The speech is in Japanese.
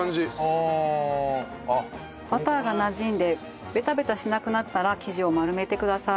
バターがなじんでベタベタしなくなったら生地を丸めてください。